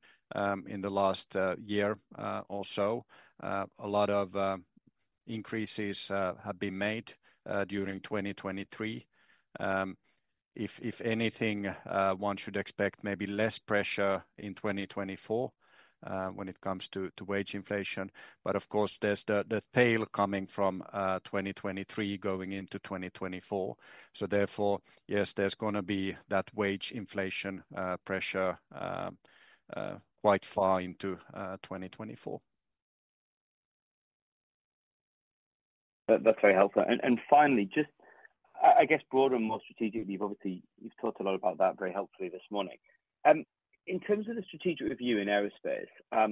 in the last year also. A lot of increases have been made during 2023. If anything, one should expect maybe less pressure in 2024 when it comes to wage inflation. But of course, there's the tail coming from 2023 going into 2024. So therefore, yes, there's gonna be that wage inflation pressure quite far into 2024. That's very helpful. And finally, just I guess, broader and more strategically, you've obviously talked a lot about that very helpfully this morning. In terms of the strategic review in Aerospace,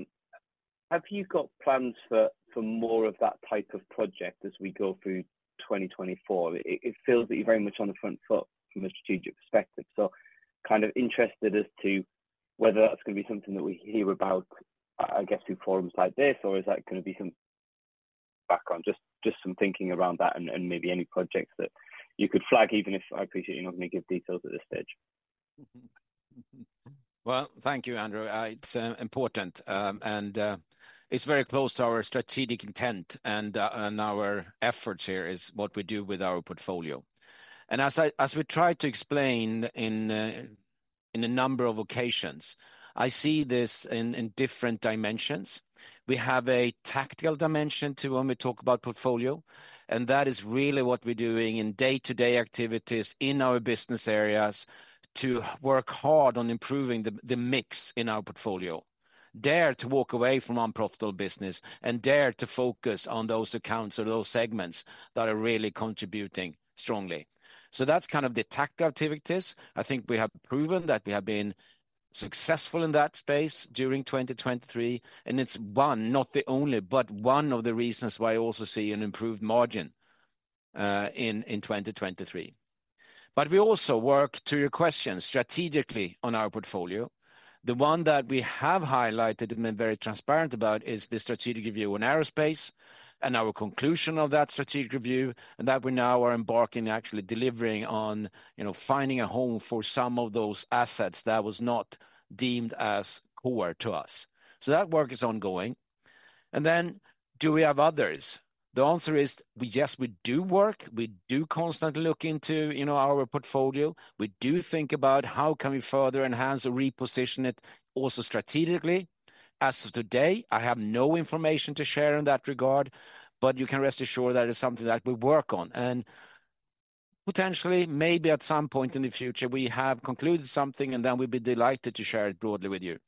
have you got plans for more of that type of project as we go through 2024? It feels that you're very much on the front foot from a strategic perspective. So kind of interested as to whether that's gonna be something that we hear about, I guess, through forums like this, or is that gonna be some background? Just some thinking around that and maybe any projects that you could flag, even if I appreciate you're not going to give details at this stage. Well, thank you, Andrew. It's important, and it's very close to our strategic intent and our efforts here is what we do with our portfolio. And as we try to explain in a number of occasions, I see this in different dimensions. We have a tactical dimension to when we talk about portfolio, and that is really what we're doing in day-to-day activities in our business areas to work hard on improving the mix in our portfolio. Dare to walk away from unprofitable business and dare to focus on those accounts or those segments that are really contributing strongly. So that's kind of the tactical activities. I think we have proven that we have been successful in that space during 2023, and it's one, not the only, but one of the reasons why I also see an improved margin in 2023. But we also work, to your question, strategically on our portfolio. The one that we have highlighted and been very transparent about is the strategic review on Aerospace and our conclusion of that strategic review, and that we now are embarking, actually delivering on, you know, finding a home for some of those assets that was not deemed as core to us. So that work is ongoing. And then, do we have others? The answer is, yes, we do work. We do constantly look into, you know, our portfolio. We do think about how can we further enhance or reposition it also strategically. As of today, I have no information to share in that regard, but you can rest assured that it's something that we work on. Potentially, maybe at some point in the future, we have concluded something, and then we'd be delighted to share it broadly with you.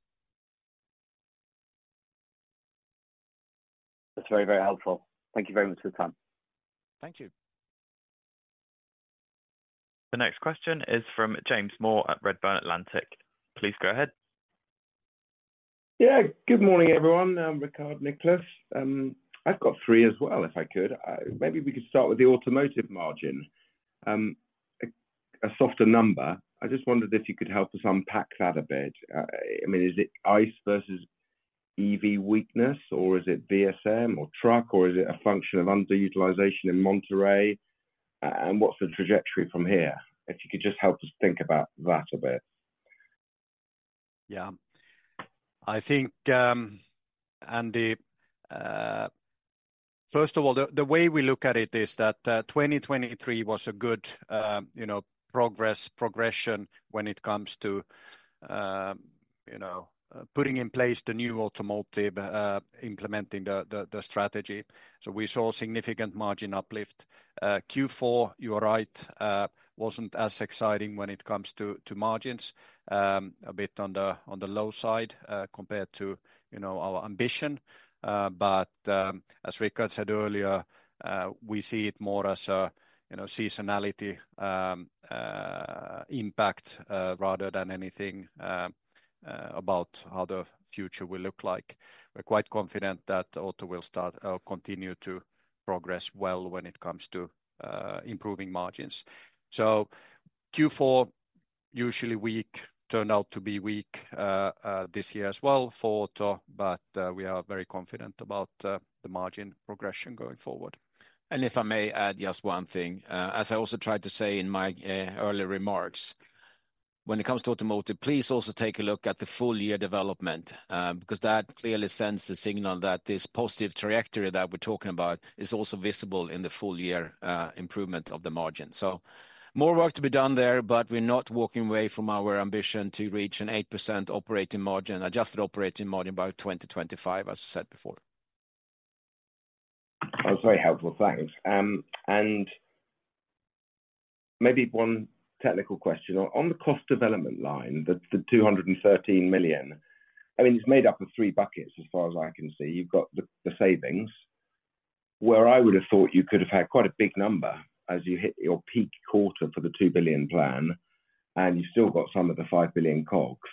That's very, very helpful. Thank you very much for your time. Thank you. The next question is from James Moore at Redburn Atlantic. Please go ahead. Yeah. Good morning, everyone, Rickard, Niclas. I've got three as well, if I could. Maybe we could start with the automotive margin. A softer number. I just wondered if you could help us unpack that a bit. I mean, is it ICE versus EV weakness, or is it VSM or truck, or is it a function of underutilization in Monterrey? What's the trajectory from here? If you could just help us think about that a bit. Yeah. I think uh, first of all, the way we look at it is that 2023 was a good, you know, progression when it comes to, you know, putting in place the new automotive, implementing the strategy. So we saw significant margin uplift. Q4, you are right, wasn't as exciting when it comes to margins. A bit on the low side, compared to our ambition. But, as Rickard said earlier, we see it more as a, you know, seasonality impact, rather than anything about how the future will look like. We're quite confident that auto will start or continue to progress well when it comes to improving margins. Q4, usually weak, turned out to be weak this year as well for auto, but we are very confident about the margin progression going forward. And if I may add just one thing, as I also tried to say in my early remarks. When it comes to automotive, please also take a look at the full year development, because that clearly sends the signal that this positive trajectory that we're talking about is also visible in the full year improvement of the margin. So more work to be done there, but we're not walking away from our ambition to reach an 8% operating margin, adjusted operating margin by 2025, as I said before. That's very helpful. Thanks. And maybe one technical question. On the cost development line, the 213 million, I mean, it's made up of three buckets, as far as I can see. You've got the savings, where I would have thought you could have had quite a big number as you hit your peak quarter for the 2 billion plan, and you still got some of the 5 billion COGS.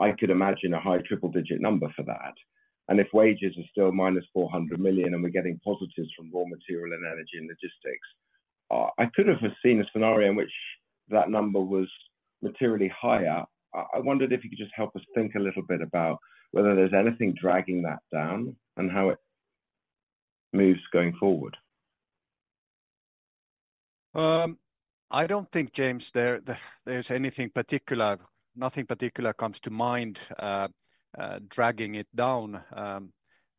I could imagine a high triple digit number for that. And if wages are still -400 million, and we're getting positives from raw material and energy and logistics, I could have seen a scenario in which that number was materially higher. I wondered if you could just help us think a little bit about whether there's anything dragging that down and how it moves going forward. I don't think, James, there's anything particular. Nothing particular comes to mind dragging it down.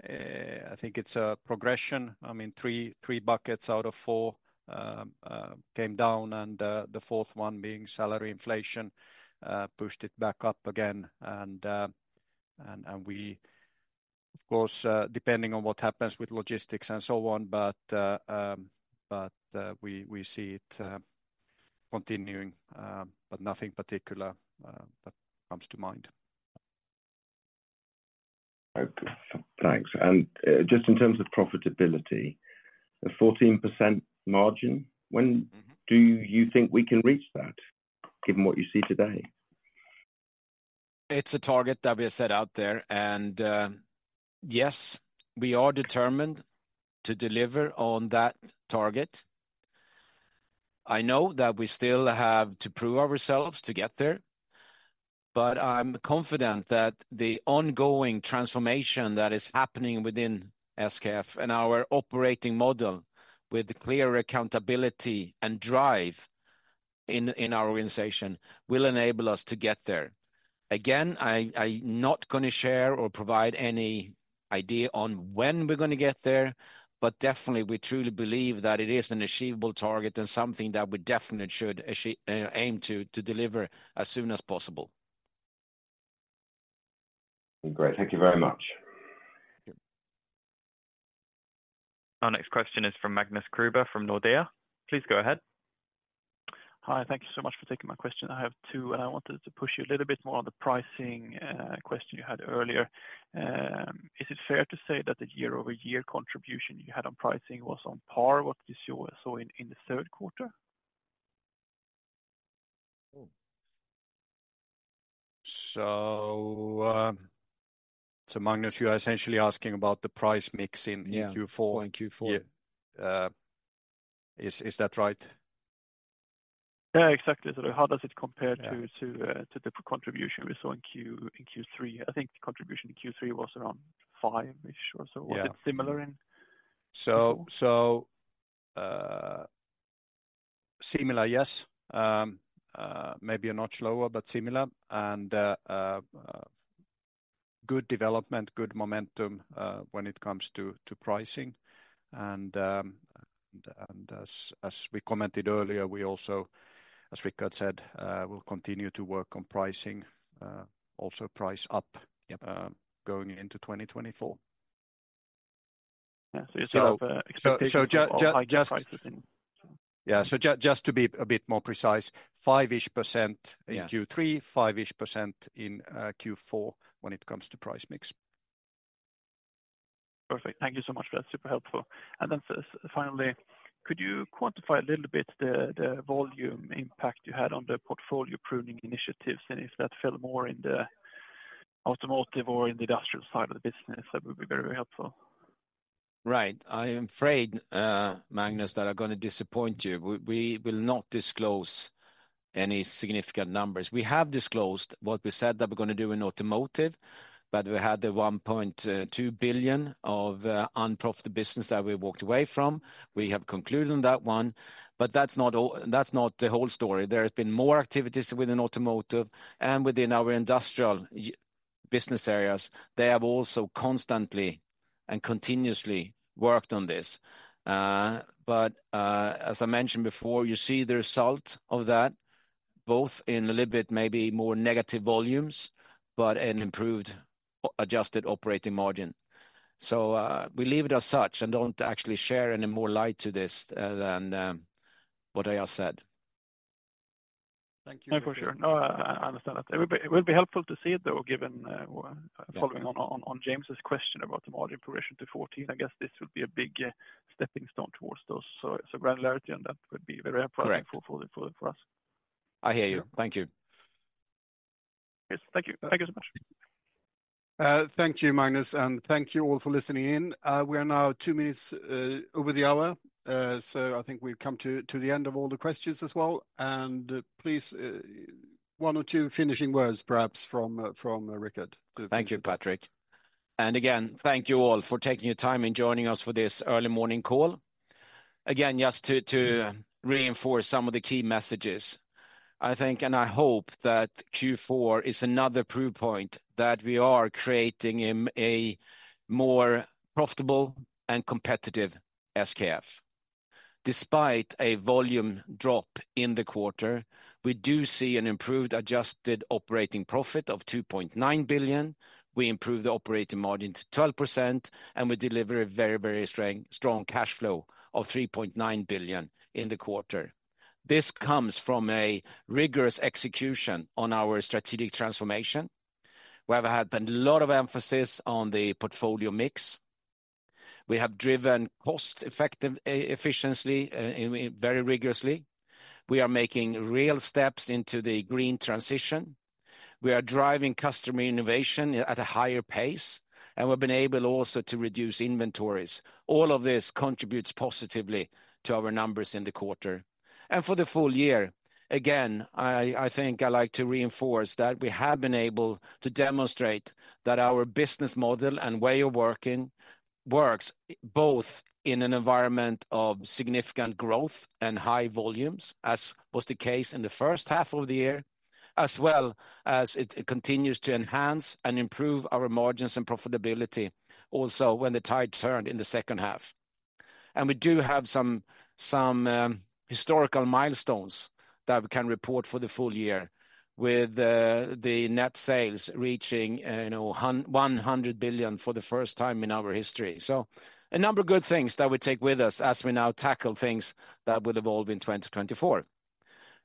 I think it's a progression. I mean, three buckets out of four came down, and the fourth one being salary inflation pushed it back up again. And we, of course, depending on what happens with logistics and so on, but we see it continuing, but nothing particular that comes to mind. Okay. Thanks. And just in terms of profitability, a 14% margin, when do you think we can reach that, given what you see today? It's a target that we have set out there, and yes, we are determined to deliver on that target. I know that we still have to prove ourselves to get there, but I'm confident that the ongoing transformation that is happening within SKF and our operating model, with clear accountability and drive in our organization, will enable us to get there. Again, I not gonna share or provide any idea on when we're gonna get there, but definitely we truly believe that it is an achievable target and something that we definitely should aim to deliver as soon as possible. Great. Thank you very much. Our next question is from Magnus Kruber, from Nordea. Please go ahead. Hi, thank you so much for taking my question. I have two, and I wanted to push you a little bit more on the pricing question you had earlier. Is it fair to say that the year-over-year contribution you had on pricing was on par, what you saw in the third quarter? So, Magnus, you are essentially asking about the price mix in- Yeah -in Q4? In Q4. Yeah. Is that right? Yeah, exactly. So how does it compare to the contribution we saw in Q3? I think the contribution in Q3 was around five-ish or so. Yeah. Was it similar in Q4? Similar, yes. Maybe a notch lower, but similar, and good development, good momentum when it comes to pricing. And as we commented earlier, we also, as Rickard said, will continue to work on pricing, also price up going into 2024. Yeah, so you still have expectation- So just- higher prices then? Yeah, so just to be a bit more precise, 5-ish% in- Yeah Q3, 5-ish% in Q4 when it comes to price mix. Perfect. Thank you so much. That's super helpful. And then finally, could you quantify a little bit the volume impact you had on the portfolio pruning initiatives, and if that fell more in the automotive or in the industrial side of the business? That would be very helpful. Right. I am afraid, Magnus, that I'm gonna disappoint you. We, we will not disclose any significant numbers. We have disclosed what we said that we're gonna do in automotive, but we had the 1.2 billion of unprofitable business that we walked away from. We have concluded on that one, but that's not all, that's not the whole story. There has been more activities within automotive and within our industrial business areas. They have also constantly and continuously worked on this. But as I mentioned before, you see the result of that, both in a little bit, maybe more negative volumes, but an improved adjusted operating margin. So, we leave it as such and don't actually share any more light to this, than what I just said. Thank you. No, for sure. No, I understand that. It would be, it will be helpful to see it, though, given well, following on James's question about the margin progression to 2014, I guess this would be a big stepping stone towards those. So, granularity on that would be very helpful for us. I hear you. Thank you. Yes, thank you. Thank you so much. Thank you, Magnus, and thank you all for listening in. We are now two minutes over the hour, so I think we've come to the end of all the questions as well. Please, one or two finishing words, perhaps, from Rickard. Thank you, Patrik. And again, thank you all for taking your time and joining us for this early morning call. Again, just to reinforce some of the key messages, I think and I hope that Q4 is another proof point that we are creating a more profitable and competitive SKF. Despite a volume drop in the quarter, we do see an improved adjusted operating profit of 2.9 billion. We improved the operating margin to 12%, and we deliver a very strong cash flow of 3.9 billion in the quarter. This comes from a rigorous execution on our strategic transformation. We have had a lot of emphasis on the portfolio mix. We have driven cost-effective efficiency very rigorously. We are making real steps into the green transition. We are driving customer innovation at a higher pace, and we've been able also to reduce inventories. All of this contributes positively to our numbers in the quarter. And for the full year, again, I, I think I like to reinforce that we have been able to demonstrate that our business model and way of working works, both in an environment of significant growth and high volumes, as was the case in the first half of the year, as well as it continues to enhance and improve our margins and profitability also when the tide turned in the second half. And we do have some historical milestones that we can report for the full year, with the net sales reaching you know 100 billion for the first time in our history. So a number of good things that we take with us as we now tackle things that will evolve in 2024.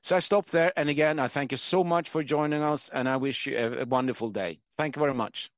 So I stop there, and again, I thank you so much for joining us, and I wish you a, a wonderful day. Thank you very much!